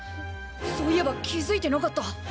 そういえば気付いてなかった。